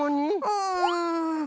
うん。